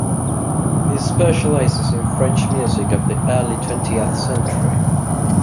He specialises in French music of the early twentieth century.